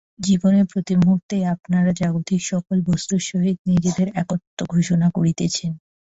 জীবনের প্রতিমুহূর্তেই আপনারা জাগতিক সকল বস্তুর সহিত নিজেদের একত্ব ঘোষণা করিতেছেন।